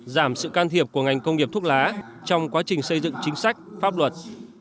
giảm sự can thiệp của ngành công nghiệp thuốc lá trong quá trình xây dựng chính sách pháp luật